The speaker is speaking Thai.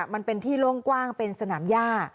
มันเป็นที่โล่งกว้างเป็นสนามย่า